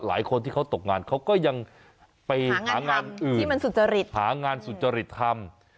หลายคนที่เขาตกงานเขาก็ยังไปหางานอื่นหางานสุจริตทำ